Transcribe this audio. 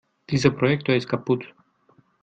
Dieser Projektor ist kaputt.